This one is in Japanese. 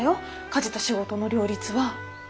家事と仕事の両立は。